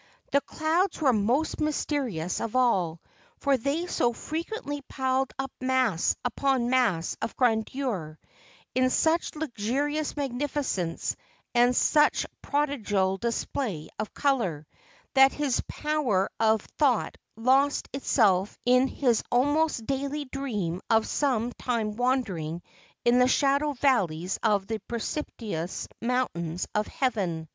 The clouds were most mysterious of all, for they so frequently piled up mass upon mass of grandeur, in such luxurious magnificence and such prodigal display of color, that his power of thought lost itself in his almost daily dream of some time wandering in the shadow valleys of the precipitous mountains of heaven.